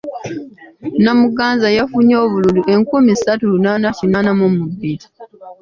Namuganza yafunye obululu enkumi ssatu lunaana kinaana mu bbiri.